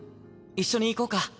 一緒に行こうか。